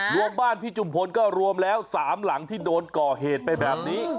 รวมบ้านพี่จุมพลก็รวมแล้ว๓หลังที่โดนก่อเหตุไปแบบนี้